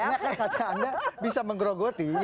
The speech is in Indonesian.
enggak kaya kata anda bisa menggerogoti